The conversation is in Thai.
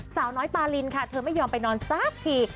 สาวน้อยปาลินค่ะเธอไม่ยอมไปนอนสักที